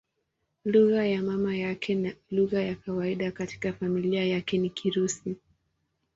Lugha ya mama yake na lugha ya kawaida katika familia yake ni Kirusi.